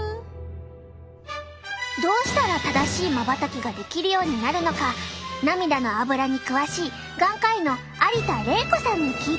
どうしたら正しいまばたきができるようになるのか涙のアブラに詳しい眼科医の有田玲子さんに聞いてみよう！